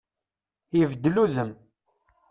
Ibeddel udem.